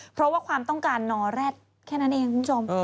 เพราะว่าความต้องการนอแร็ดแค่นั้นเองคุณผู้ชม